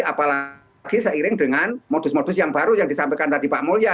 apalagi seiring dengan modus modus yang baru yang disampaikan tadi pak mulya